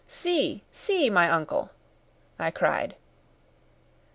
"See, see, my uncle!" I cried.